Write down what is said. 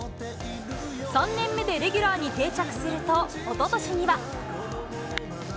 ３年目でレギュラーに定着すると、おととしには。